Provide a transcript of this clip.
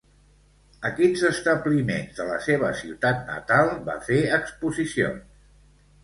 A quins establiments de la seva ciutat natal va fer exposicions?